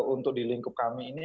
untuk di lingkup kami ini